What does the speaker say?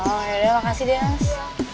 oh yaudah makasih deh nas